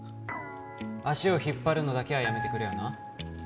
足を引っ張るのだけはやめてくれよな。